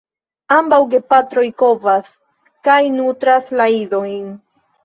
Ambaŭ gepatroj kovas kaj nutras la idojn.